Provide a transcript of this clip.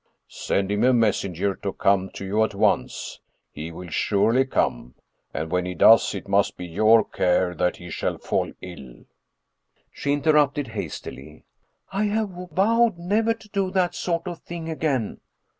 " Send him a messenger to come to you at once. He will surely come. And when he does, it must be your care that he shall fall ill." She interrupted hastily. " I have vowed never to do that sort of thing again."